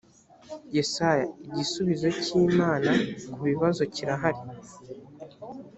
yesaya igisubizo cy imana kubibazo kirahari